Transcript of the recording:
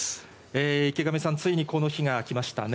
池上さん、ついにこの日が来ましたね。